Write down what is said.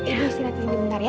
ibu istirahatkan ibu bentar ya